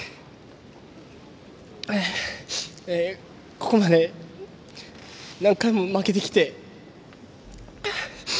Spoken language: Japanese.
ここまで何回も負けてきて。